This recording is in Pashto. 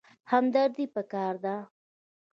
همدردي پکار ده